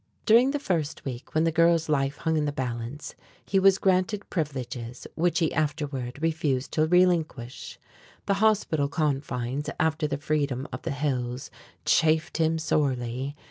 During the first week, when the girl's life hung in the balance, he was granted privileges which he afterward refused to relinquish. The hospital confines, after the freedom of the hills, chafed him sorely.